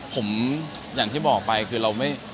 ผมอย่างที่บอกไปคือเราไม่